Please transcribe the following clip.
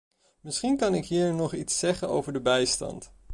Misschien kan ik hier nog iets zeggen over de bijstand.